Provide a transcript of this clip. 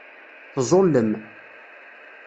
Teẓẓullem.